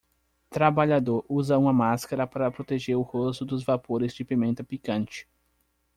Trabalhador usa uma máscara para proteger o rosto dos vapores de pimenta picante.